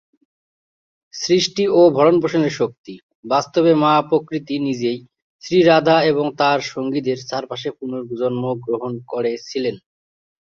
সৃষ্টি ও ভরণ-পোষণের শক্তি, বাস্তবে মা প্রকৃতি নিজেই, শ্রী রাধা এবং তার সঙ্গীদের চারপাশে পুনর্জন্ম গ্রহণ করেছিলেন।